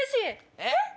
えっ？